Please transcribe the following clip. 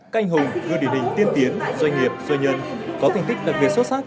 canh hùng gương định hình tiên tiến doanh nghiệp doanh nhân có kinh tích đặc biệt xuất sắc